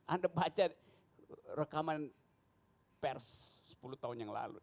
anda baca rekaman pers sepuluh tahun yang lalu